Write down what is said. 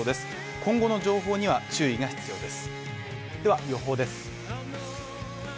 今後の情報には注意が必要です